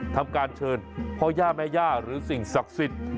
ทำการเชิญพ่อย่าแม่ย่าหรือสิ่งศักดิ์สิทธิ์